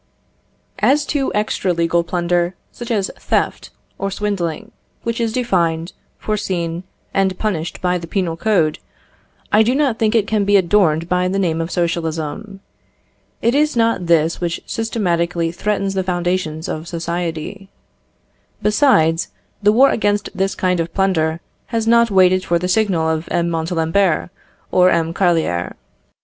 As to extra legal plunder, such as theft, or swindling, which is defined, foreseen, and punished by the penal code, I do not think it can be adorned by the name of socialism. It is not this which systematically threatens the foundations of society. Besides, the war against this kind of plunder has not waited for the signal of M. Montalembert or M. Carlier.